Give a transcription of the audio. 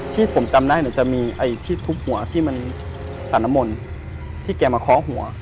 ที่ผมจำได้เนี่ยจะมีไอ้ที่ทุบหัวที่มันสารมลที่แกมาเคาะหัว